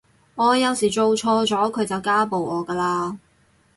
我有時做錯咗佢就家暴我㗎喇